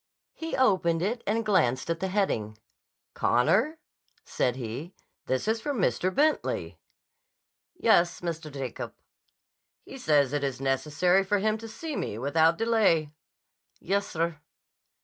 He opened it and glanced at the heading. "Connor," said he, "this is from Mr. Bentley." "Yes, Mr. Jacob." "He says it is necessary for him to see me without delay." "Yes, sir."